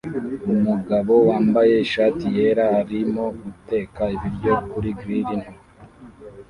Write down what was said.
Umugabo wambaye ishati yera arimo guteka ibiryo kuri grill nto